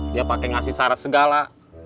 dia pakai ngasih syarat segala